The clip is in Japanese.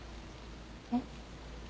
えっ？